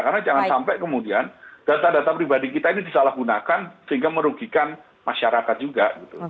karena jangan sampai kemudian data data pribadi kita ini disalahgunakan sehingga merugikan masyarakat juga